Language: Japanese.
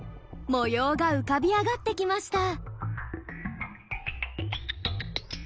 模様が浮かび上がってきました。